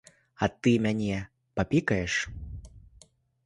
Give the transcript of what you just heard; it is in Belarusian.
А ты мяне папікаеш?